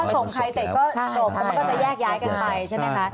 ส่งใครเสร็จก็จบแล้วมันก็จะแยกย้ายกันไปใช่ไหมคะ